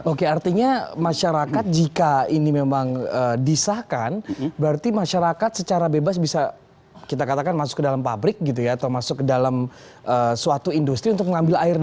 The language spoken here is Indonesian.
oke artinya masyarakat jika ini memang disahkan berarti masyarakat secara bebas bisa kita katakan masuk ke dalam pabrik gitu ya atau masuk ke dalam suatu industri untuk mengambil airnya